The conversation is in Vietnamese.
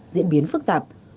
diễn biến phức tạp